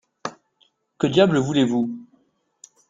Que diable voulez-vous ?